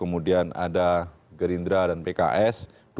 kemudian ada gerindra dan pks